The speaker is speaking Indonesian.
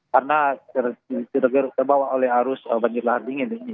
karena terbawa oleh arus banjir lahar dingin ini